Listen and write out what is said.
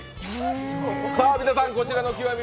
皆さん、こちらの極味